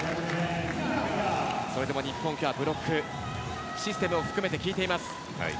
それでも日本、今日はブロックシステムを含めて効いています。